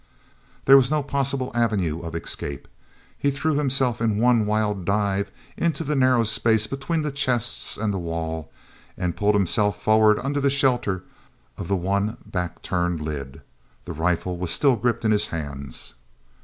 There was no possible avenue of escape. He threw himself in one wild dive into the narrow space between the chests and the wall, and pulled himself forward under the shelter of the one back turned lid. The rifle was still gripped in his hands.